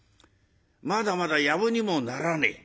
「まだまだやぶにもならねえ。